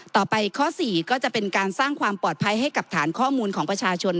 ต่อไปข้อ๔ก็จะเป็นการสร้างความปลอดภัยให้กับฐานข้อมูลของประชาชน